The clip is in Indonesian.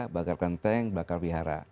bakar kenteng bakar wihara